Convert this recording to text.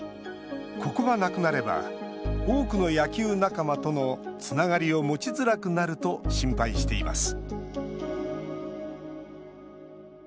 ここがなくなれば多くの野球仲間とのつながりを持ちづらくなると心配しています